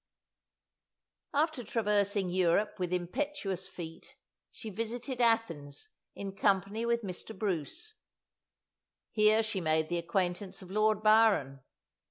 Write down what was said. After traversing Europe with impetuous feet she visited Athens in company with Mr. Bruce. Here she made the acquaintance of Lord Byron.